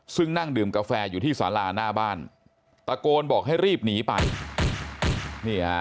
ซึ่งนั่งดื่มกาแฟอยู่ที่สาราหน้าบ้านตะโกนบอกให้รีบหนีไปนี่ฮะ